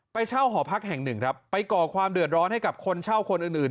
เช่าหอพักแห่งหนึ่งครับไปก่อความเดือดร้อนให้กับคนเช่าคนอื่น